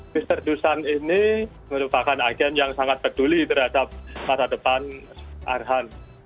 mr dusan ini merupakan agen yang sangat peduli terhadap masa depan arhan